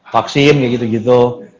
vaksin kayak gitu gitu